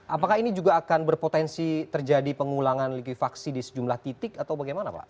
apakah ini juga akan berpotensi terjadi pengulangan likuifaksi di sejumlah titik atau bagaimana pak